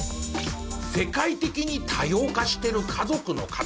世界的に多様化してる家族の形。